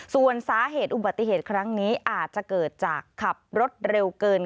ส่วนสาเหตุอุบัติเหตุครั้งนี้อาจจะเกิดจากขับรถเร็วเกิน